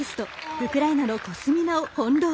ウクライナのコスミナを翻弄。